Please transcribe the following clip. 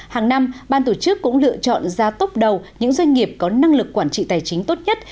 hàng năm ban tổ chức cũng lựa chọn ra tốc đầu những doanh nghiệp có năng lực quản trị tài chính tốt nhất